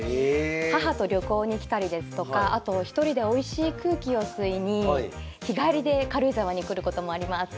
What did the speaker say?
母と旅行に来たりですとかあと１人でおいしい空気を吸いに日帰りで軽井沢に来ることもあります。